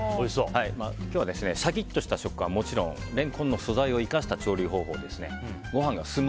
今日はシャキッとした食感はもちろんレンコンの素材を生かした調理方法でご飯が進む